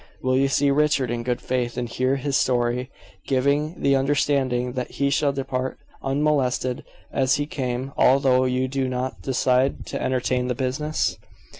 Will you see Richard in good faith, and hear his story, giving the understanding that he shall depart unmolested, as he came, although you do not decide to entertain the business?"